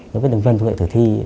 dấu vết đường vân thu tại thử thi